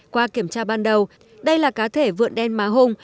qua kiểm tra ban đầu đây là cá thể vượn đen má hung